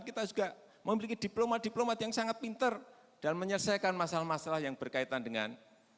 kita juga memiliki diplomat diplomat yang sangat pinter dan menyelesaikan masalah masalah yang berkaitan dengan